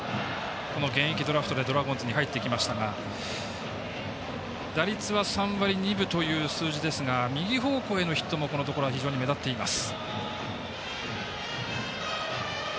この現役ドラフトでドラゴンズに入ってきましたが打率は３割２分という数字ですが右方向へのヒットもこのところは非常に目立っています。